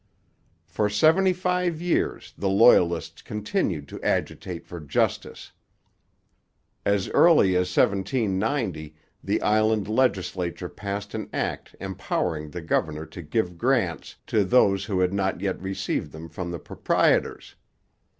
For seventy five years the Loyalists continued to agitate for justice. As early as 1790 the island legislature passed an act empowering the governor to give grants to those who had not yet received them from the proprietors.